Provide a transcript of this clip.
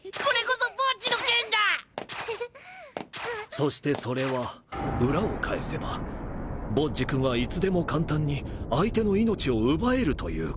そしてそれは裏を返せばボッジ君はいつでも簡単に相手の命を奪えるということ。